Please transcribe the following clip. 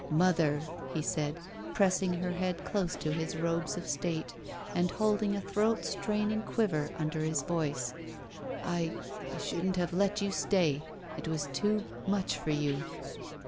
''Mother," he said, pressing her head close to his robes of state and holding a throat straining quiver under his voice, "I — I shouldn't have let you stay. It was too — ^much for you."